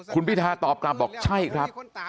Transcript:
คุณพิทาตอบกลับบอกใช่ครับ